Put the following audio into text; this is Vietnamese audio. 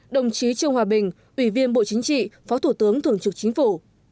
một mươi đồng chí trương hòa bình ủy viên bộ chính trị phó thủ tướng thường trực chính phủ